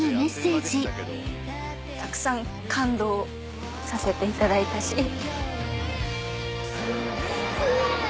たくさん感動させていただいたし。